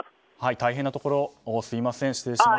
大変なところすみません。